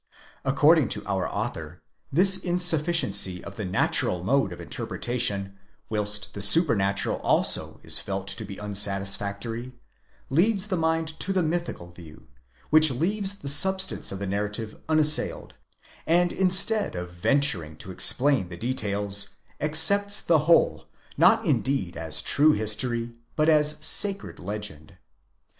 Accord ing to our author, this insufficiency of the natural mode of interpretation, whilst the supernatural also is felt to be unsatisfactory, leads the mind to the mythical view, which leaves the substance of the narrative unassailed; and instead of venturing to explain the details, accepts the whole, not indeed as true history, but as a sacred legend.